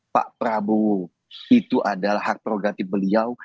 pak prabowo itu adalah hak prerogatif beliau